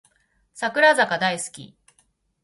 櫻坂大好き